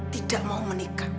tidak mau menikah